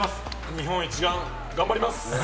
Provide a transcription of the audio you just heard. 日本一丸、頑張ります。